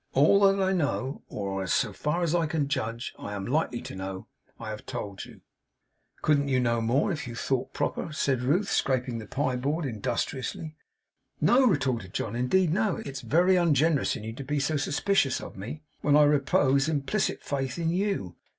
All that I know, or, so far as I can judge, am likely to know, I have told you.' 'Couldn't you know more, if you thought proper?' said Ruth, scraping the pie board industriously. 'No,' retorted John. 'Indeed, no. It is very ungenerous in you to be so suspicious of me when I repose implicit faith in you.